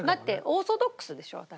オーソドックスでしょ私。